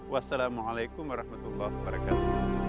wassalamualaikum warahmatullahi wabarakatuh